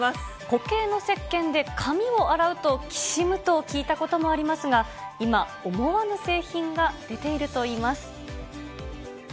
固形のせっけんで髪を洗うと、きしむと聞いたこともありますが、今、思わぬ製品が出ているといいます。